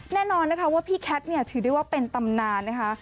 แน่นอนนะคะว่าพี่แคทเนี่ยถือได้ว่าเป็นตำนานนะคะ